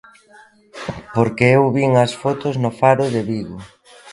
Porque eu vin as fotos no Faro de Vigo.